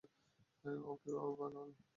ও কীভাবে পারল?